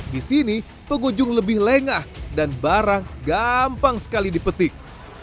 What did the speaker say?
di sini pengunjung lebih lengah dan barang gampang sekali dipetik